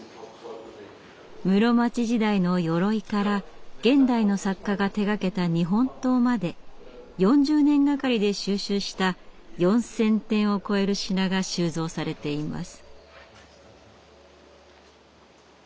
室町時代のよろいから現代の作家が手がけた日本刀まで４０年がかりで収集した４，０００点を超える品が収蔵されています。